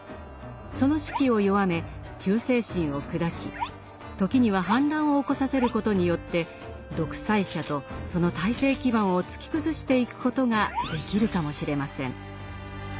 その士気を弱め忠誠心を砕き時には反乱を起こさせることによって独裁者とその体制基盤を突き崩していくことができるかもしれません。